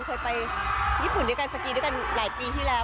เคยไปญี่ปุ่นด้วยกันสกีด้วยกันหลายปีที่แล้ว